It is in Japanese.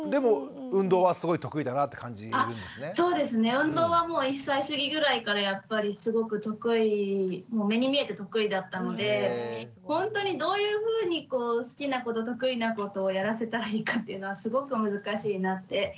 運動は１歳過ぎぐらいからやっぱりすごく得意目に見えて得意だったのでほんとにどういうふうにこう好きなこと得意なことをやらせたらいいかっていうのはすごく難しいなって思いますね。